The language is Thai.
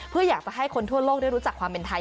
เพื่ออยากจะให้คนทั่วโลกได้รู้จักความเป็นไทย